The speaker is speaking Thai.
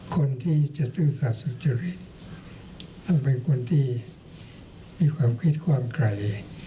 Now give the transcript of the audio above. คนที่จะซื่อสัตว์สุจริตต้องเป็นคนที่มีความคิดความไกล